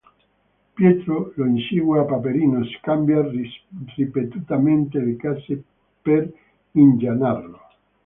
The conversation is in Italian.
Pietro lo insegue e Paperino scambia ripetutamente le casse per ingannarlo.